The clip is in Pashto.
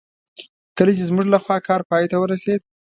کله چې زموږ لخوا کار پای ته ورسېد.